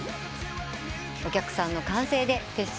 お客さんの歓声でフェス